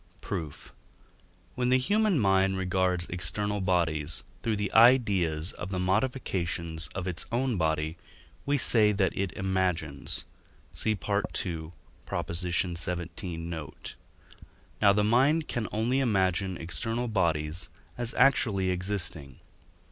Proof. When the human mind regards external bodies through the ideas of the modifications of its own body, we say that it imagines (see II. xvii. note); now the mind can only imagine external bodies as actually existing.